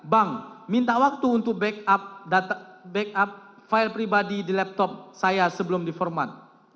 bang minta waktu untuk backup file pribadi di laptop saya sebelum diformat